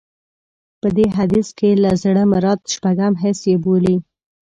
په دې حديث کې له زړه مراد شپږم حس يې بولي.